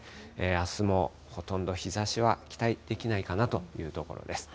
あすもほとんど日ざしは期待できないかなというところです。